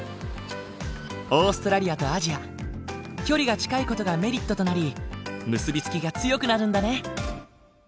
オーストラリアとアジア距離が近い事がメリットとなり結びつきが強くなるんだね。